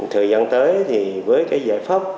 thời gian tới thì với cái giải pháp